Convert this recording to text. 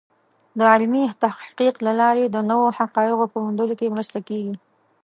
د علمي تحقیق له لارې د نوو حقایقو په موندلو کې مرسته کېږي.